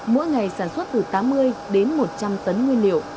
mỗi ngày sản xuất từ tám mươi đến một trăm linh tấn nguyên liệu